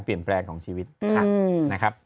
เปลี่ยนแปลงของชีวิตนะครับ